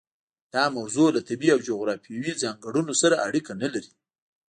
دا موضوع له طبیعي او جغرافیوي ځانګړنو سره اړیکه نه لري.